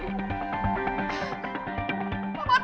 sampai jumpa lagi